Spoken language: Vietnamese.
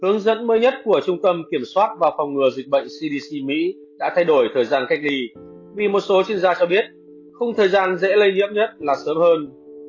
hướng dẫn mới nhất của trung tâm kiểm soát và phòng ngừa dịch bệnh cdc mỹ đã thay đổi thời gian cách ly vì một số chuyên gia cho biết khung thời gian dễ lây nhiễm nhất là sớm hơn